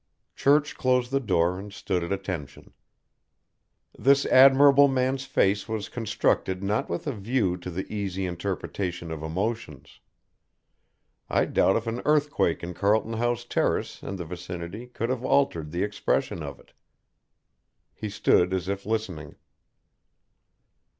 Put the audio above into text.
Church closed the door and stood at attention. This admirable man's face was constructed not with a view to the easy interpretation of emotions. I doubt if an earthquake in Carlton House Terrace and the vicinity could have altered the expression of it. He stood as if listening.